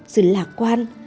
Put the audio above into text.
sự lạc quan